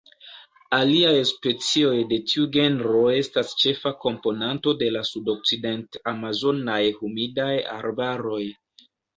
Aliaj specioj de tiu genro estas ĉefa komponanto de la sudokcident-amazonaj humidaj arbaroj.